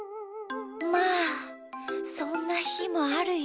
まあそんなひもあるよ。